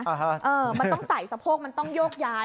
เออมันต้องใส่สะโพกมันต้องโยกย้าย